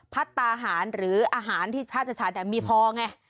พัฒนาอาหารหรืออาหารที่พระธรรมมีพอไง